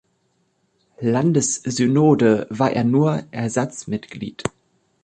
Landessynode war er nur Ersatzmitglied.